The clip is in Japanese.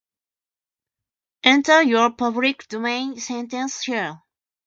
Enter your public domain sentence here